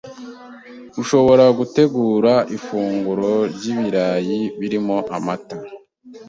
Ushobora gutegura ifunguro ry’ibirayi birimo amata